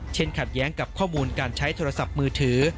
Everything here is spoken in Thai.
ขัดแย้งกับข้อมูลการใช้โทรศัพท์มือถือ